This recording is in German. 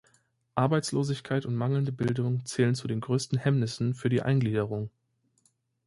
Arbeitslosigkeit und mangelnde Bildung zählen zu den größten Hemmnissen für die Eingliederung.